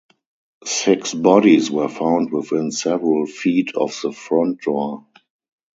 Six bodies were found within several feet of the front door.